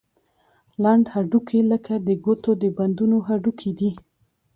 لنډ هډوکي لکه د ګوتو د بندونو هډوکي دي.